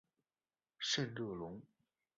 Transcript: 圣热龙。